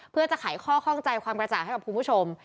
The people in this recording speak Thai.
เพื่อจะไขข้อข้องใจความกระจ่างให้กับคุณผู้ชม